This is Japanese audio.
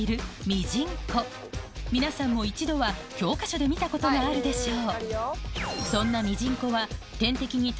ミジンコ皆さんも一度は教科書で見たことがあるでしょう